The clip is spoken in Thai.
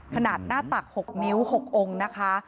ขนาดหน้าตัก๖นิ้ว๖องค์นะคะ